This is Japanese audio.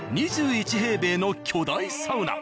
２１平米の巨大サウナ。